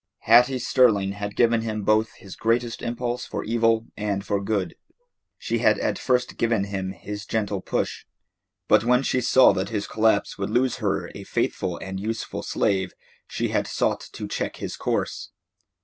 Hattie Sterling had given him both his greatest impulse for evil and for good. She had at first given him his gentle push, but when she saw that his collapse would lose her a faithful and useful slave she had sought to check his course.